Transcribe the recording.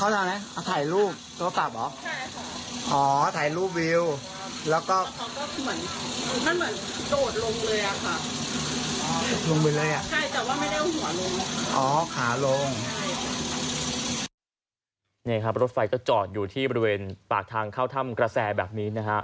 นี่ครับรถไฟก็จอดอยู่ที่บริเวณปากทางเข้าถ้ำกระแสแบบนี้นะฮะ